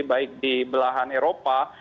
baik di belahan eropa